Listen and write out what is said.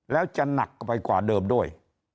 แล้วจะหนักไปกว่าเดิมด้วย